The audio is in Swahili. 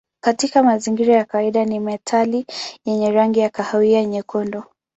Katika mazingira ya kawaida ni metali yenye rangi ya kahawia nyekundu.